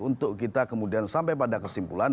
untuk kita kemudian sampai pada kesimpulan